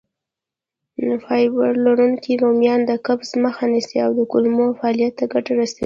فایبر لرونکي رومیان د قبض مخه نیسي او د کولمو فعالیت ته ګټه رسوي.